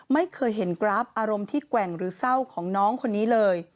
ไม่เคยเห็นกราฟอารมณ์ที่แกว่งหรือเศร้าของน้องคนนี้เลย